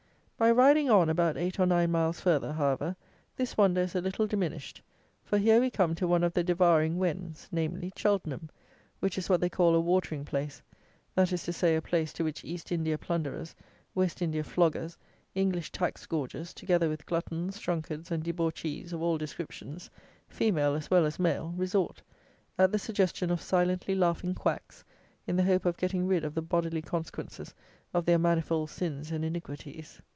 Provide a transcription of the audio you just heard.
By riding on about eight or nine miles farther, however, this wonder is a little diminished; for here we come to one of the devouring Wens; namely, Cheltenham, which is what they call a "watering place;" that is to say, a place, to which East India plunderers, West India floggers, English tax gorgers, together with gluttons, drunkards, and debauchees of all descriptions, female as well as male, resort, at the suggestion of silently laughing quacks, in the hope of getting rid of the bodily consequences of their manifold sins and iniquities.